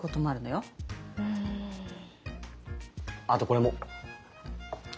あとこれも！